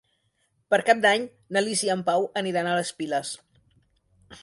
Per Cap d'Any na Lis i en Pau aniran a les Piles.